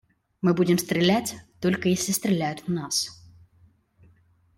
Мы будем стрелять, только если стреляют в нас.